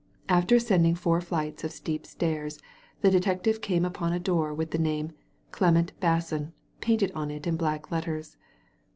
After ascending four flights of steep stairs, the detective came upon a door with the name "Clement Basson" painted on it in black letters.